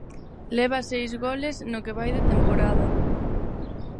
Leva seis goles no que vai de temporada.